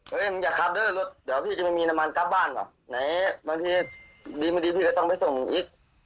เฮ้ยมึงจะครับด้วยรถเดี๋ยวพี่จะไม่มีน้ำมันกับบ้านเหรอไหนบางทีดีไม่ดีพี่ก็ต้องไปส่งมึงอีก